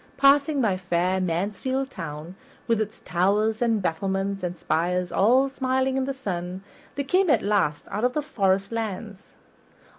Passing by fair Mansfield Town, with its towers and battlements and spires all smiling in the sun, they came at last out of the forest lands.